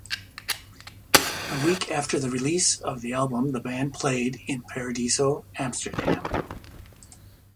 A week after the release of the album the band played in Paradiso Amsterdam.